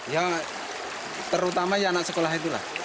yang terutama anak sekolah itulah